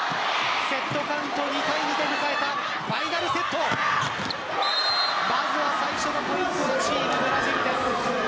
セットカウント２−２で迎えたファイナルセットまずは最初のポイントチームブラジルです。